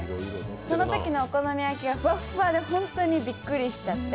そのときのお好み焼きがふわっふわで、本当にビックリしちゃって。